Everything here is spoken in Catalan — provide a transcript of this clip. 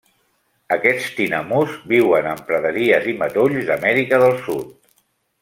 Aquests tinamús viuen en praderies i matolls d'Amèrica del Sud.